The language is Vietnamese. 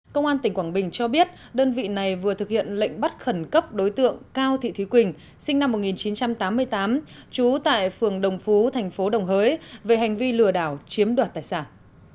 công an tỉnh quảng bình cho biết đơn vị này vừa thực hiện lệnh bắt khẩn cấp đối tượng cao thị thúy quỳnh sinh năm một nghìn chín trăm tám mươi tám trú tại phường đồng phú thành phố đồng hới về hành vi lừa đảo chiếm đoạt tài sản